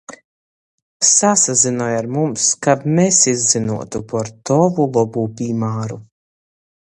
Sasazynoj ar mums, kab mes izzynuotu par tovu lobū pīmāru!